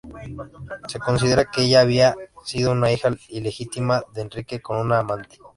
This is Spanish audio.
Se considera que ella había sido una hija ilegítima de Enrique con una amante.